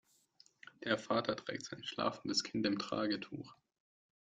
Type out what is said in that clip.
Der Vater trägt sein schlafendes Kind im Tragetuch.